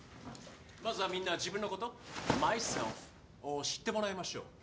まずはみんな自分のことマイセルフを知ってもらいましょう。